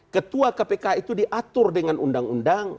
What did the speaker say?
ketua kpk itu diatur dengan undang undang